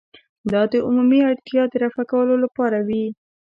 دا د عمومي اړتیا د رفع کولو لپاره وي.